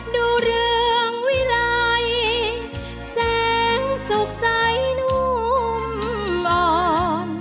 ดูเรื่องวิไลแสงสุขใสนุ่มอ่อน